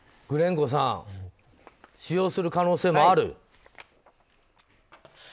グレンコさん使用する可能性もある？